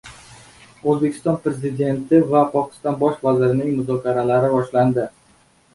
O‘zbekiston Prezidenti va Pokiston Bosh vazirining muzokaralari boshlandi